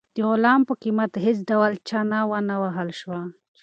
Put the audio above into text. د غلام په قیمت کې هیڅ ډول چنه ونه وهل شوه.